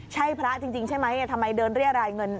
ใช่พระจริงใช่ไหมทำไมเดินเรียรายเงิน